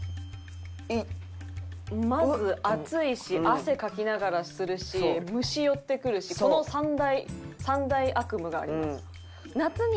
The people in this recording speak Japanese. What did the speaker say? まず暑いし汗かきながらするし虫寄ってくるしこの三大三大悪夢があります。